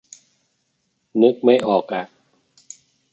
นึกไม่ออกอ่ะ